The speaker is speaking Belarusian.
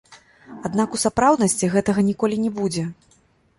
Аднак у сапраўднасці гэтага ніколі не будзе.